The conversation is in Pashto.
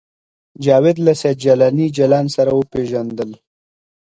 جاوید له سید جلاني جلان سره وپېژندل